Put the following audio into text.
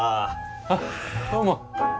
あっどうも。